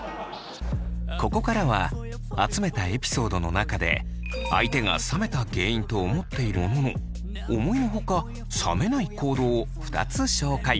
ここからは集めたエピソードの中で相手が冷めた原因と思っているものの思いのほか冷めない行動を２つ紹介。